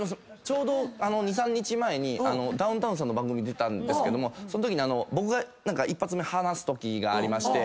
ちょうど２３日前にダウンタウンさんの番組出たんですけどもそんときに僕が１発目話すときがありまして。